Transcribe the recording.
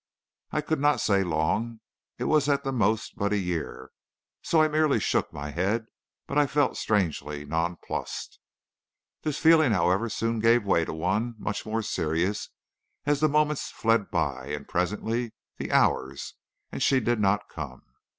"I could not say long. It was at the most but a year; so I merely shook my head, but I felt strangely nonplussed. "This feeling, however, soon gave way to one much more serious as the moments fled by and presently the hours, and she did not come.